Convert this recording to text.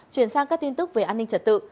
chuyển sang các tin tức về an ninh trật tự